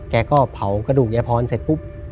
แกก็เผากระดูกยายพรเสร็จปุ๊บ